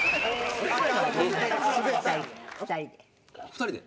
２人で。